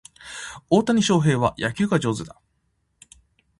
大谷翔平は野球が上手だ